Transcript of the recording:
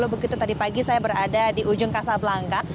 begitu tadi pagi saya berada di ujung kasab langka